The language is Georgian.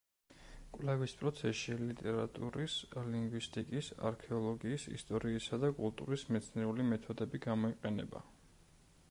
კვლევის პროცესში ლიტერატურის, ლინგვისტიკის, არქეოლოგიის, ისტორიისა და კულტურის მეცნიერული მეთოდები გამოიყენება.